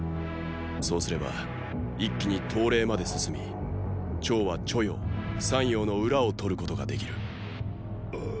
そうすれば一気に東礼まで進み趙は著雍・山陽の裏を取ることができる。！